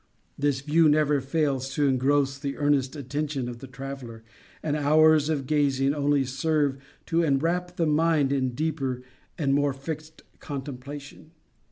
This view never fails to engross the earnest attention of the traveler, and hours of gazing only serve to enwrap the mind in deeper and more fixed contemplation.